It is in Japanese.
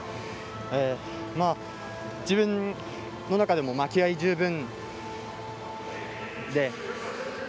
自分の中でも気合い十分で。